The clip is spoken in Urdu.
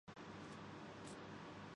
میں تعطل سے بڑی بڑی فلمی